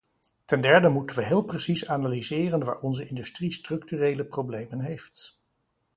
Ten derde moeten we heel precies analyseren waar onze industrie structurele problemen heeft.